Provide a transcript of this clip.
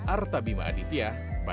artabima aditya padma